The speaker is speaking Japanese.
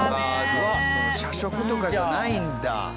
うわっ社食とかじゃないんだ。